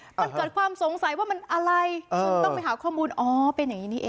มันเกิดความสงสัยว่ามันอะไรคุณต้องไปหาข้อมูลอ๋อเป็นอย่างนี้นี่เอง